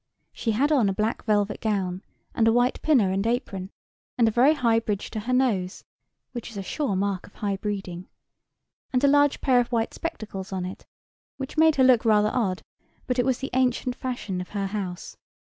She had on a black velvet gown, and a white pinner and apron, and a very high bridge to her nose (which is a sure mark of high breeding), and a large pair of white spectacles on it, which made her look rather odd: but it was the ancient fashion of her house.